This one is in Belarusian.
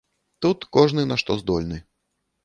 Тут кожны на што здольны.